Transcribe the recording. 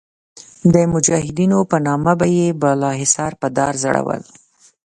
د مجاهدینو په نامه به یې بالاحصار په دار ځړول.